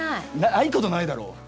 ないことないだろ。